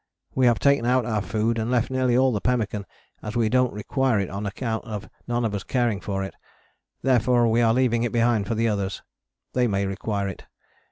We have taken out our food and left nearly all the pemmican as we dont require it on account of none of us caring for it, therefore we are leaving it behind for the others. They may require it.